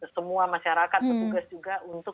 semua masyarakat petugas juga untuk